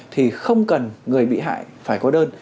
thì không cần người bị hại phải có đơn